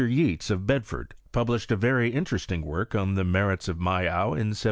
Yeats, of Bedford, published a very inlereating work on the merits of Mayow, in 1798.